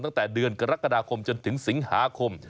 ตั้งแต่เดือนกรกฎาคมจนถึงสิงหาคม